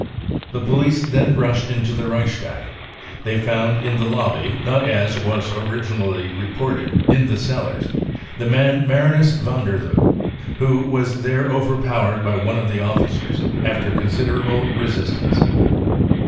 The police then rushed into the Reichstag. They found in the lobby, not, as was originally reported, in the cellars, the man Marinus van der Lubbe, who was there overpowered by one of the officers after consider able resistance."